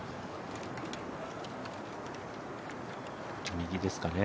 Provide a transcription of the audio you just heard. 右ですかね。